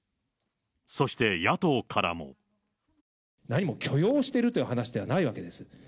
何も許容してるという話ではないわけです。